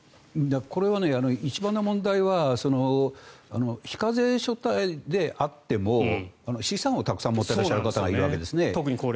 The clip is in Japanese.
これは一番の問題は非課税所帯であっても資産をたくさん持っていらっしゃる方がいるわけですね。